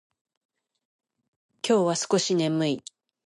今日は少し眠い。